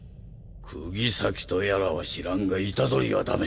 釘崎とやらは知らんが虎杖はダメだ。